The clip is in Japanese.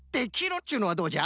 っちゅうのはどうじゃ？